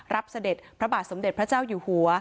เสด็จพระบาทสมเด็จพระเจ้าอยู่หัว